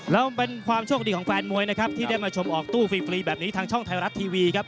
แล้วเป็นความโชคดีของแฟนมวยนะครับที่ได้มาชมออกตู้ฟรีแบบนี้ทางช่องไทยรัฐทีวีครับ